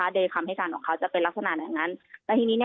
ได้คำให้การของเขาจะเป็นลักษณะไหน